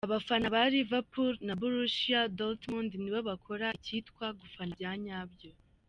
Abafana ba Liverpool na Borussia Dortmund nibo bakora ikitwa ’Gufana’ bya nyabyo